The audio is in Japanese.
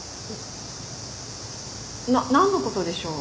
なっ何のことでしょう？